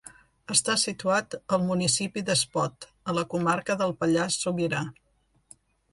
Està situat al municipi d'Espot a la comarca del Pallars Sobirà.